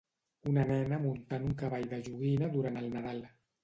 Una nena muntant un cavall de joguina durant el Nadal